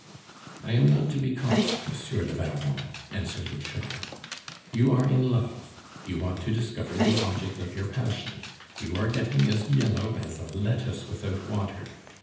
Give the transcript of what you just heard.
"I am not to be caught, Monsieur le Baron," answered Louchard. "You are in love, you want to discover the object of your passion; you are getting as yellow as a lettuce without water.